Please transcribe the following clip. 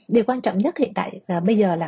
điều quan trọng nhất hiện tại bây giờ là